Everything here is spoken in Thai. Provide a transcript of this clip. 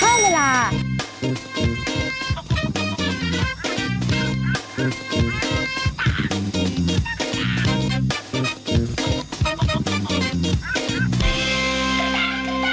โปรดติดตามตอนต่อไป